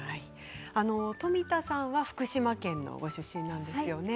富田さんは福島県のご出身なんですよね。